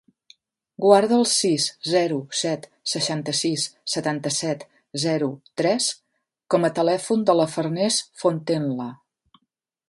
Guarda el sis, zero, set, seixanta-sis, setanta-set, zero, tres com a telèfon de la Farners Fontenla.